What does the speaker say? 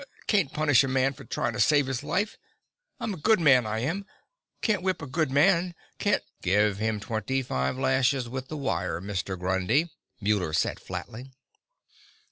Can't punish a man for trying to save his life. I'm a good man, I am. Can't whip a good man! Can't " "Give him twenty five lashes with the wire, Mr. Grundy," Muller said flatly.